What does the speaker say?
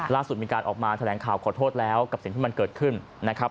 ล่าสุดมีการออกมาแถลงข่าวขอโทษแล้วกับสิ่งที่มันเกิดขึ้นนะครับ